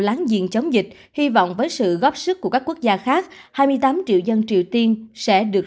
láng giềng chống dịch hy vọng với sự góp sức của các quốc gia khác hai mươi tám triệu dân triều tiên sẽ được